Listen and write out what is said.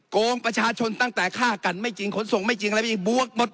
โกงประชาชนตั้งแต่ฆ่ากันไม่จริงขนส่งไม่จริงอะไรไม่จริงบวกหมด